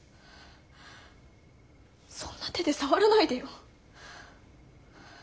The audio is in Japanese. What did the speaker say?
そんな手で触らないでよ。